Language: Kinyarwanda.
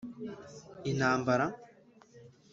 Intambara